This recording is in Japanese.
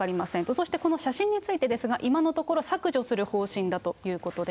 そしてこの写真についてですが、今のところ、削除する方針だということです。